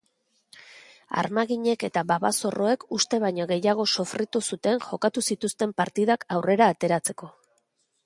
Armaginek eta babazorroek uste baino gehiago sofritu zuten jokatu zituzten partidak aurrera ateratzeko.